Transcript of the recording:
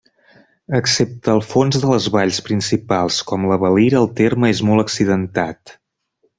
Excepte el fons de les valls principals, com la Valira, el terme és molt accidentat.